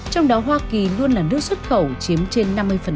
trong đó hoa kỳ luôn là nước xuất khẩu chiếm trên năm mươi